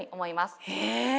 へえ